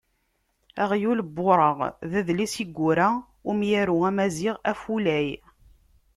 "Aɣyul n wuṛeɣ" d adlis i yura umyaru amaziɣ Afulay.